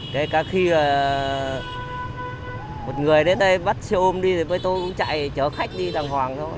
kể cả khi một người đến đây bắt xe ôm đi thì với tôi cũng chạy chở khách đi đàng hoàng thôi